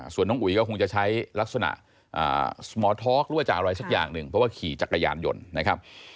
ส่วนน้องอุ๋ยก็คงจะใช้ลักษณะสมอร์ท็อกหรือว่าจะอะไรสักอย่างหนึ่งเพราะว่าขี่จักรยานยนต์นะครับ